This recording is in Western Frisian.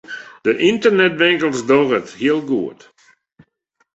De ynternetwinkels dogge it heel goed.